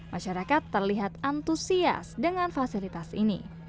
masyarakat terlihat antusias dengan fasilitas ini